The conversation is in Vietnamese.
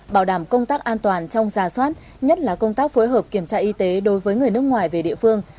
bảo đảm công tác an toàn trong giả soát nhất là công tác phối hợp kiểm tra y tế đối với người nước ngoài về địa phương